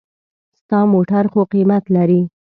ستا موټر خو قېمت لري.